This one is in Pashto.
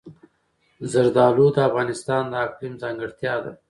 زردالو د افغانستان د اقلیم ځانګړتیا ده.